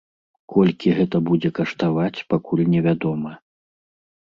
Колькі гэта будзе каштаваць пакуль невядома.